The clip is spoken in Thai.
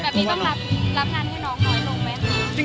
แบบนี้ต้องรับงานให้น้องน้อยลงไหมคะ